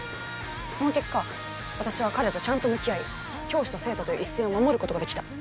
その結果私は彼とちゃんと向き合い教師と生徒という一線を守ることができた